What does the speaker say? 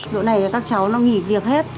độ này là các cháu nó nghỉ việc hết